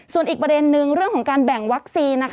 ส่วนอีกประเด็นนึงเรื่องของการแบ่งวัคซีนนะคะ